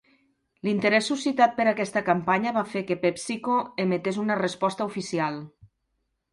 L'interès suscitat per aquesta campanya va fer que PepsiCo emetés una resposta oficial.